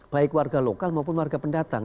baik warga lokal maupun warga pendatang